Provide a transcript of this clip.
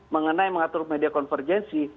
mengenai mengatur media konvergensi